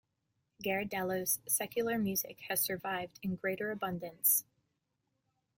Gherardello's secular music has survived in greater abundance.